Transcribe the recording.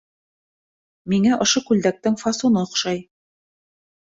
Миңә ошо күлдәктең фасоны оҡшай